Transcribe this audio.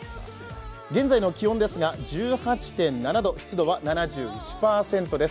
現在の気温ですが１８．７度、湿度は７１％です。